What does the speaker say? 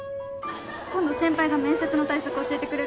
今度先輩が面接の対策教えてくれるって。